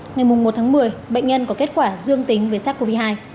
ngày một tháng một mươi bệnh nhân có kết quả dương tính với sars cov hai